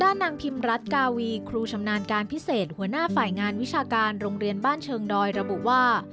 นางพิมรัฐกาวีครูชำนาญการพิเศษหัวหน้าฝ่ายงานวิชาการโรงเรียนบ้านเชิงดอยระบุว่า